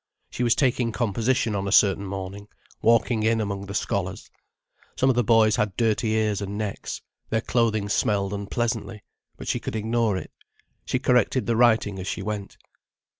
She was taking composition on a certain morning, walking in among the scholars. Some of the boys had dirty ears and necks, their clothing smelled unpleasantly, but she could ignore it. She corrected the writing as she went.